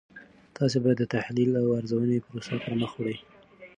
تاسې باید د تحلیلي او ارزونې پروسه پرمخ وړئ.